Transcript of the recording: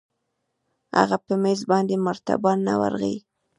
هغه په مېز باندې مرتبان ته ورغى.